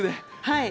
はい。